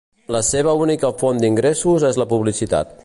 La seva única font d'ingressos és la publicitat.